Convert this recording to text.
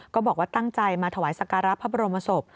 ก็บอกว่าตั้งใจมาถวายสการะพระบรมศพ